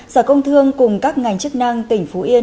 sở công thương cùng các ngành chức năng tỉnh phú yên